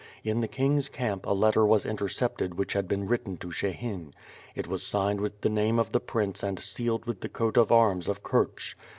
In the King's camp a letter was intercepted which had been written to Shehin. It was signed with the name of the prince and sealed with the coat of arms of Kurch.